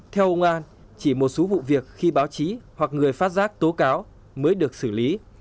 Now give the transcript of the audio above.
theo ông an chỉ một số vụ việc khi báo chí hoặc người phát giác tố cáo mới được xử lý